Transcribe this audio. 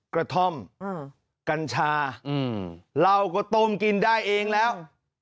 กระท่อมกัญชาเราก็ต้มกินได้เองแล้ว